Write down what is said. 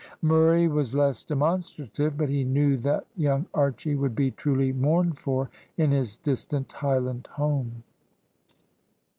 Murray was less demonstrative, but he knew that young Archy would be truly mourned for in his distant highland home.